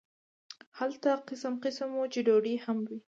هلته قسم قسم وچې ډوډۍ هم وې.